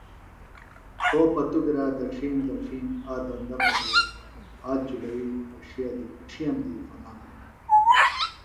پھو پتوۡ گِرا دڇِھیم دڇِھیم آ دندہ پتوۡ ہات چُلئِیم اڇِھیئم دی فنا بِھلوۡ ہنوۡ